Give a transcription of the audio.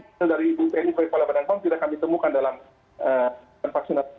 karena kondisi dari bupen ipoh leban dan pom tidak kami temukan dalam vaksin